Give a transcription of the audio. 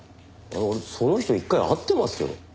俺その人一回会ってますよ。